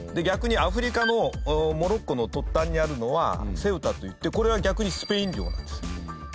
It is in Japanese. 逆にアフリカのモロッコの突端にあるのはセウタといってこれは逆にスペイン領なんです。